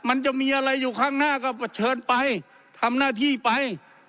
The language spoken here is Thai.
มันจะมีอะไรอยู่ข้างหน้าก็เชิญไปทำหน้าที่ไป